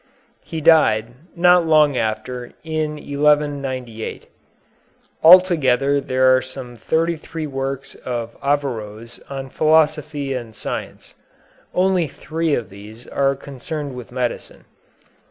He died, not long after, in 1198. Altogether there are some thirty three works of Averroës on philosophy and science. Only three of these are concerned with medicine.